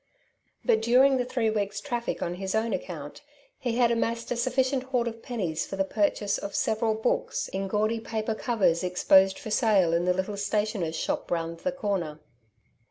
But during the three weeks' traffic on his own account he had amassed a sufficient hoard of pennies for the purchase of several books in gaudy paper covers exposed for sale in the little stationer's shop round the corner.